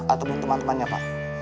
atau teman temannya pak